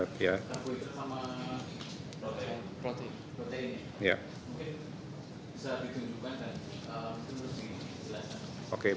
kartu hidrat sama protein